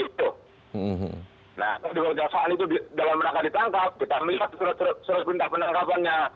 nah kalau di bawah kejaksaan itu dalam mereka ditangkap kita melihat setelah pinter penangkapannya